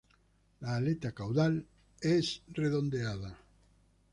La aleta caudal es redondeada.